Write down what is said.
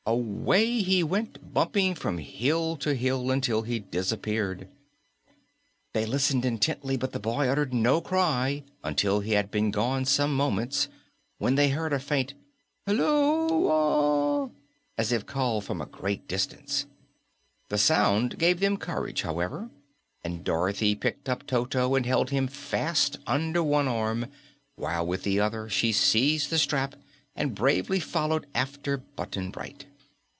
Away he went, bumping from hill to hill until he disappeared. They listened intently, but the boy uttered no cry until he had been gone some moments, when they heard a faint "Hullo a!" as if called from a great distance. The sound gave them courage, however, and Dorothy picked up Toto and held him fast under one arm while with the other hand she seized the strap and bravely followed after Button Bright.